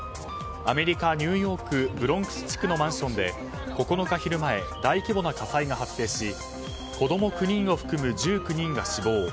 アメリカ・ニューヨークブロンクス地区のマンションで９日昼前、大規模な火災が発生し子供９人を含む１９人が死亡